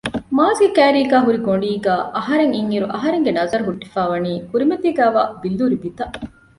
މާޒްގެ ކައިރީގައި ހުރި ގޮނޑީގައި އަހަރެން އިންއިރު އަހަރެންގެ ނަޒަރު ހުއްޓިފައިވަނީ ކުރިމަތީގައިވާ ބިއްލޫރި ބިތަށް